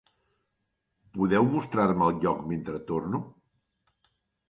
Podeu mostrar-me el lloc mentre torno?